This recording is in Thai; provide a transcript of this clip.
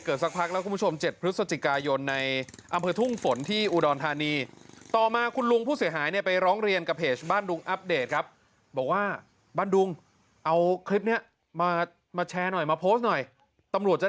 คนแถวนั้นต้องมาห้ามกันคุณผู้ชม